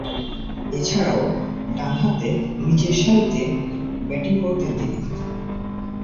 এছাড়াও, ডানহাতে নিচেরসারিতে ব্যাটিং করতেন তিনি।